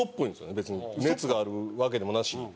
別に熱があるわけでもなしに。